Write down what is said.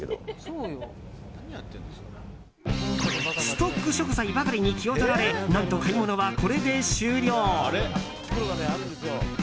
ストック食材ばかりに気を取られ何と買い物はこれで終了。